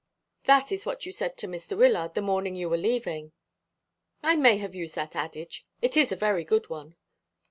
'" "That is what you said to Mr. Wyllard the morning you were leaving." "I may have used that adage. It is a very good one."